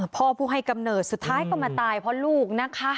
ผู้ให้กำเนิดสุดท้ายก็มาตายเพราะลูกนะคะ